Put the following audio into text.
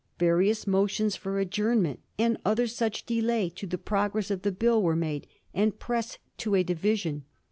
Various motions for adjournment and other such delay to the progress of the Bill were made and pressed to a division.